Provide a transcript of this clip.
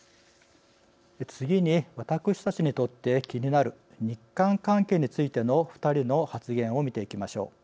次に私たちにとって気になる日韓関係についての２人の発言を見ていきましょう。